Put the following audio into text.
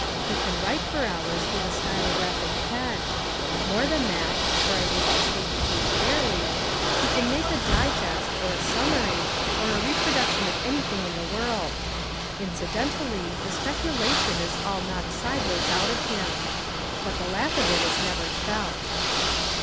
He can write for hours with a stylographic pen : more than that, for I wish to state the case fairly, he can make a digest, or a summary, or a reproduction of anything in the world. Incidentally the speculation is all knocked sideways out of him. But the lack of it is never felt.